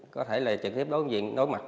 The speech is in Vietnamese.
có thể là trực tiếp đối mặt